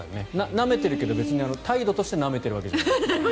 なめてるけど別に態度としてなめているわけじゃない。